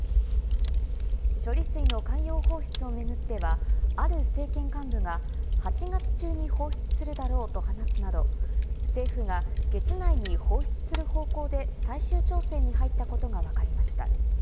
処理水の海洋放出を巡っては、ある政権幹部が８月中に放出するだろうと話すなど、政府が月内に放出する方向で最終調整に入ったことが分かりました。